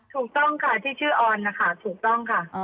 ถูกต้องค่ะที่ชื่อออนนะคะถูกต้องค่ะ